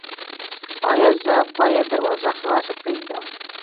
ایا زه باید دروازه خلاصه پریږدم؟